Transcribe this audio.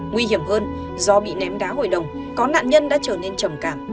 nguy hiểm hơn do bị ném đá hội đồng có nạn nhân đã trở nên trầm cảm